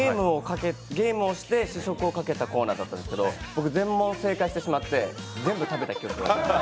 ゲームをして試食をかけたコーナーだったんですけど僕、全問正解してしまって、全部食べました。